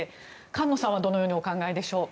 菅野さんはどのようにお考えでしょう。